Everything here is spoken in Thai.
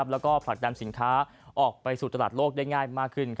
แล้วก็ผลักดันสินค้าออกไปสู่ตลาดโลกได้ง่ายมากขึ้น